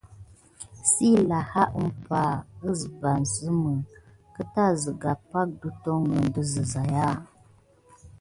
Sey lahaa umpa, asɓet zamə kəta zega pake dətonsuk də zəzaya.